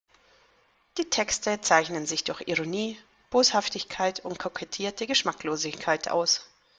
Die Texte zeichnen sich durch Ironie, Boshaftigkeit und kokettierte Geschmacklosigkeit aus.